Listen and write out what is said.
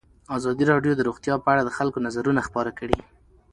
ازادي راډیو د روغتیا په اړه د خلکو نظرونه خپاره کړي.